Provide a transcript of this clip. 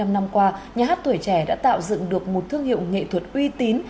bảy mươi năm năm qua nhà hát tuổi trẻ đã tạo dựng được một thương hiệu nghệ thuật uy tín